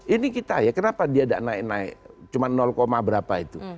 ini kita ya kenapa dia tidak naik naik cuma berapa itu